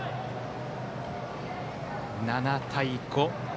７対５。